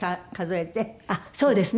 あっそうですね。